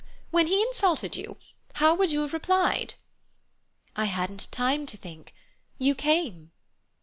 "When he insulted you, how would you have replied?" "I hadn't time to think. You came."